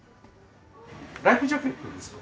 ライフジャケットですか？